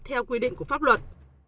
theo quy định của pháp luật